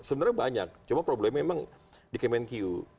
sebenarnya banyak cuma problemnya memang di kemenku